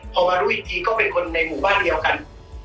พอมารู้อีกทีก็เป็นคนในหมู่บ้านเดียวกัน